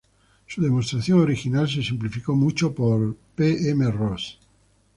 Su demostración original se simplifica mucho por P. M. Ross.